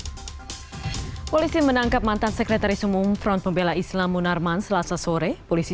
hai polisi menangkap mantan sekretaris umum front pembela islam munarman selasa sore polisi